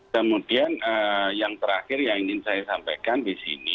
kemudian yang terakhir yang ingin saya sampaikan di sini